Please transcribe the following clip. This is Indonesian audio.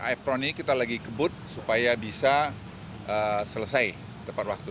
ipron ini kita lagi kebut supaya bisa selesai tepat waktu